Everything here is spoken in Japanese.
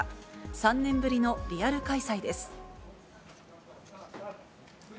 ３年ぶりのリアル開催です。